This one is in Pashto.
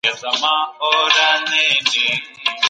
زه نه غواړم چې زما معلومات شریک شي.